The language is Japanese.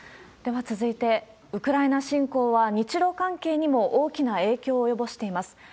では続いて、ウクライナ侵攻は日ロ関係にも大きな影響を及ぼしています。